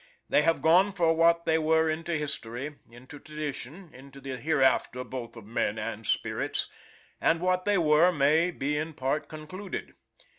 They have gone for what they were into history, into tradition, into the hereafter both of men and spirits; and what they were may be in part concluded.